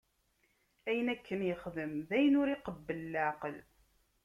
Ayen akken yexdem, d ayen ur iqebbel leɛqel.